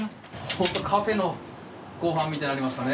ホントカフェのご飯みたいになりましたね。